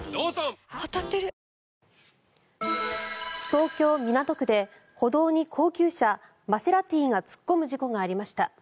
東京・港区で歩道に高級車マセラティが突っ込む事故がありました。